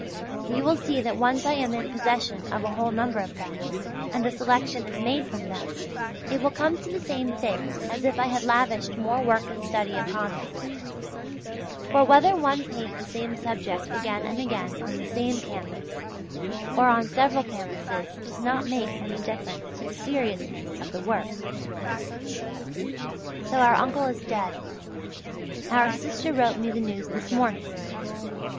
You will see that once I am in possession of a whole number of them, and a selection is made from them, it will come to the same thing as if I had lavished more work and study upon them; for whether one paint the same subject again and again on the same canvas or on several canvases does not make any difference to the seriousness of the work. So our uncle is dead! Our sister wrote me the news this morning.